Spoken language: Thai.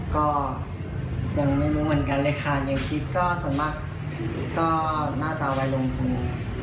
ก็ยังไม่รู้เหมือนกันเลยค่ะยังคิดก็ส่วนมากก็น่าจะเอาไว้ลงทุน